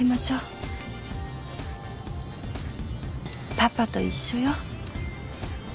パパと一緒よ。